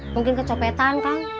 mungkin kecopetan kang